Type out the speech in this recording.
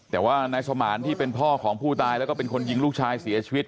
แต่ว่านายสมานที่เป็นพ่อของผู้ตายแล้วก็เป็นคนยิงลูกชายเสียชีวิต